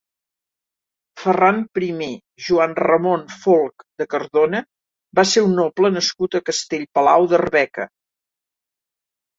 Ferran primer Joan Ramon Folc de Cardona va ser un noble nascut a Castell Palau d'Arbeca.